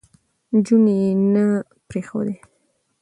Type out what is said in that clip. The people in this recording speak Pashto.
نجونې يې نه پرېښودې،